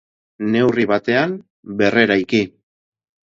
Neurri batean, berreraiki.